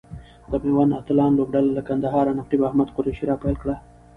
د ميوند اتلان لوبډله له کندهاره نقیب احمد قریشي را پیل کړه.